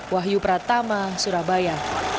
wahyu pratama surabaya